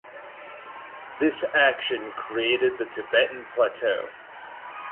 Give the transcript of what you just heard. This action created the Tibetan Plateau.